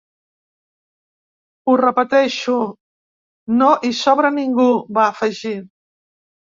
Ho repeteixo: no hi sobra ningú, va afegir.